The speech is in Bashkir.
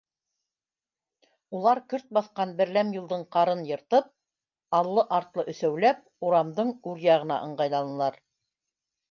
Улар көрт баҫҡан берләм юлдың ҡарын йыртып, аллы-артлы өсәүләп, урамдың үр яғына ыңғайланылар.